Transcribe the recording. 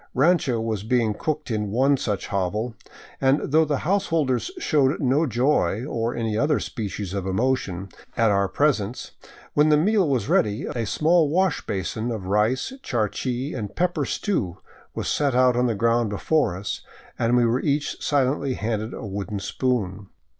Rancho was being cooked in one such hovel, and though the householders showed no joy, or any other species of emotion, at our presence, when the meal was ready, a small wash basin of rice, charqui, and pepper stew was set on the ground before us, and we were each silently handed a wooden spoon.